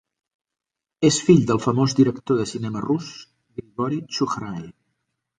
És fill del famós director de cinema rus Grigori Txukhrai.